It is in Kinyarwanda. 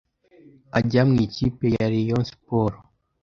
ajya mu ikipe ya Rayon Sports